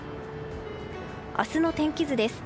明日の天気図です。